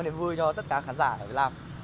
ba mươi điểm vui cho tất cả khán giả ở việt nam